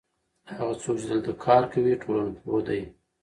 هغه څوک چې دلته کار کوي ټولنپوه دی.